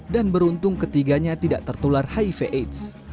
dan beruntung ketiganya tidak tertular hiv aids